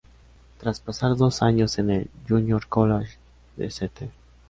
Tras pasar dos años en el "Junior College" de St.